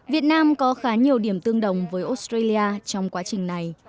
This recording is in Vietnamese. việt nam có khá nhiều điểm tương đồng với australia trong quá trình này